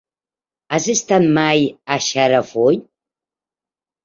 Has estat mai a Xarafull?